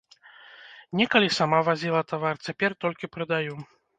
Некалі сама вазіла тавар, цяпер толькі прадаю.